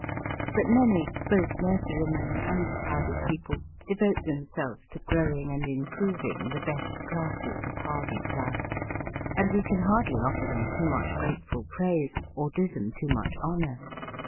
But many, both nurserymen and private people, devote themselves to growing and improving the best classes of hardy flowers, and we can hardly offer them too much grateful praise, or do them too much honour.